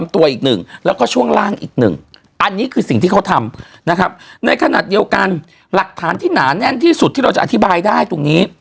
ที่ดังกว่าเราจะใช้มีบัตรฐานที่หนาแน่นที่สุดที่เราจะอธิบายได้